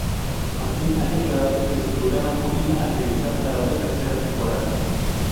Martin ha declarado que su programa no iba a regresar para una tercera temporada.